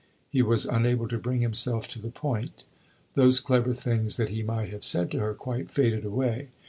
He was unable to bring himself to the point. Those clever things that he might have said to her quite faded away.